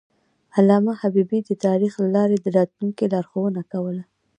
علامه حبیبي د تاریخ له لارې د راتلونکي لارښوونه کوله.